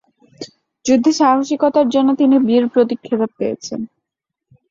যুদ্ধে সাহসিকতার জন্য তিনি বীর প্রতীক খেতাব পেয়েছেন।